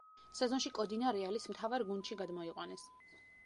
სეზონში კოდინა რეალის მთავარ გუნდში გადმოიყვანეს.